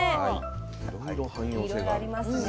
いろいろありますね。